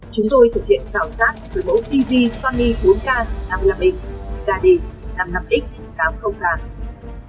chúng tôi thực hiện tạo sản với mẫu tv sony bốn k năm mươi năm x kd năm mươi năm x tám mươi k